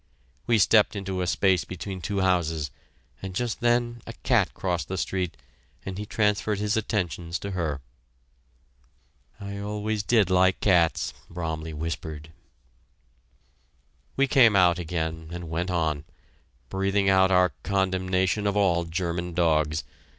We stepped into a space between two houses, and just then a cat crossed the street and he transferred his attentions to her. "I always did like cats," Bromley whispered. We came out again and went on, breathing out our condemnation of all German dogs.